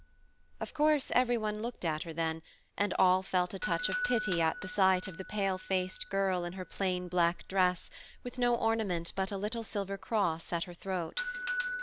Of course, every one looked at her then, and all felt a touch of pity at the sight of the pale faced girl in her plain black dress, with no ornament but a little silver cross at her throat.